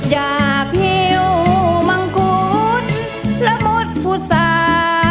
จากเหี้ยวมังคุ้นระมุดผู้สา